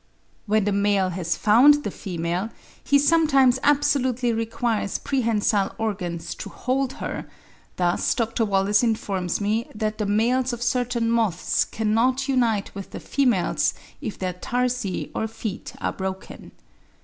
When the male has found the female, he sometimes absolutely requires prehensile organs to hold her; thus Dr. Wallace informs me that the males of certain moths cannot unite with the females if their tarsi or feet are broken.